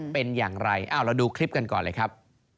เป็นอย่างไรเราดูคลิปกันก่อนเลยครับ